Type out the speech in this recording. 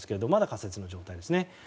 仮設の状態ですね。